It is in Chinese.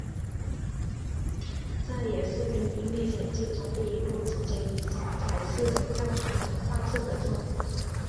这也是丁丁历险记中第一部直接以彩色形式出版画册的作品。